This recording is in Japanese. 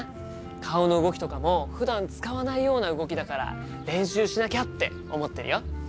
顔の動きとかもふだん使わないような動きだから練習しなきゃって思ってるよ。